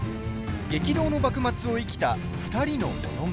激動の幕末を生きた２人の物語。